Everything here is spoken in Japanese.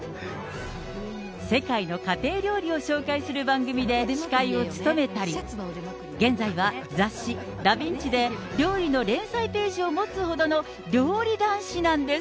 世界の家庭料理を紹介する番組で司会を務めたり、現在は雑誌、ダ・ヴィンチで、料理の連載ページを持つほどの料理男子なんです。